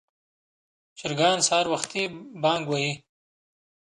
چرګان سهار وختي بانګ وهي.